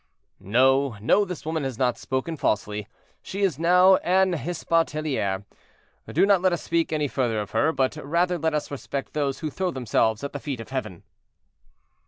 "No, no, this woman has not spoken falsely; she is now an Hospitaliere. Do not let us speak any further of her, but rather let us respect those who throw themselves at the feet of Heaven."